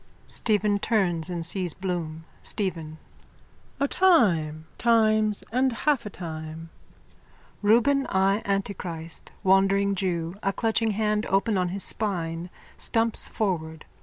(Stephen turns and sees Bloom.) STEPHEN: A time, times and half a time. _(Reuben J Antichrist, wandering jew, a clutching hand open on his spine, stumps forward.